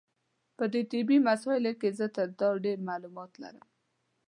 په دې طبي مسایلو کې زه تر تا ډېر معلومات لرم.